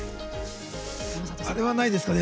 あれはないですかね？